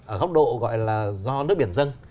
ở góc độ gọi là do nước biển dâng